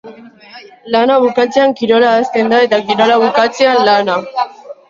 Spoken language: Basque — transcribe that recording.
Lana bukatzean kirola hasten da eta kirola bukatzean lana.